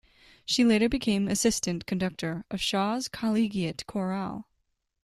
She later became assistant conductor of Shaw's Collegiate Chorale.